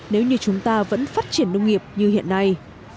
nếu như chúng ta vẫn phát triển nông nghiệp như hiện nay